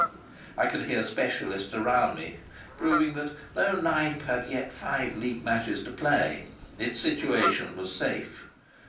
I could hear specialists around me proving that though Knype had yet five League matches to play, its situation was safe.